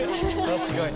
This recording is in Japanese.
確かに。